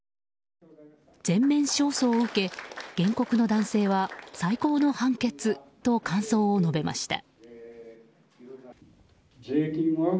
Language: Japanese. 全面勝訴を受け原告の男性は最高の判決と感想を述べました。